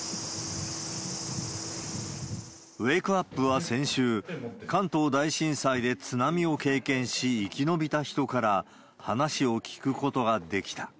ウェークアップは先週、関東大震災で津波を経験し、生き延びた人から話を聞くことができた。